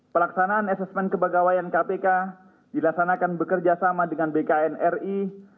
pelaksanaan asesmen kepegawaian kpk dilaksanakan bekerjasama dengan bkn ri